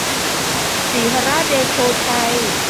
สีหราชเดโชชัย